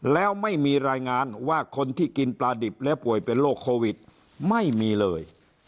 แล้วไม่มีรายงานว่าคนที่กินปลาดิบและป่วยเป็นโรคโควิดไม่มีเลย